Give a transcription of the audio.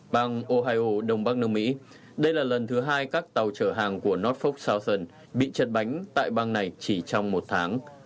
bang ohio đông bắc nước mỹ đây là lần thứ hai các tàu chở hàng của northox son bị chật bánh tại bang này chỉ trong một tháng